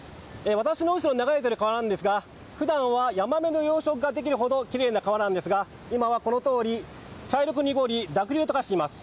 私の後ろに流れている川なんですが普段はヤマメの養殖ができるほどきれいな川なんですが今はこの通り茶色く濁り濁流と化しています。